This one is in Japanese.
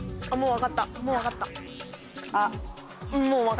分かった？